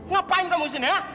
ngapain kamu di sini ya